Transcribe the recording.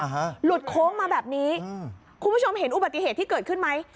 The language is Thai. หลุดโค้งมาแบบนี้อืมคุณผู้ชมเห็นอุบัติเหตุที่เกิดขึ้นไหม